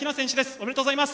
おめでとうございます。